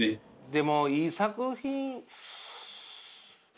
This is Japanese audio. でもいい作品ねっ